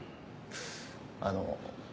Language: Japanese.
あの。